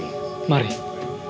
kalian dengar itu